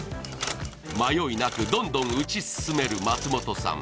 迷いなくどんどん打ち進める松本さん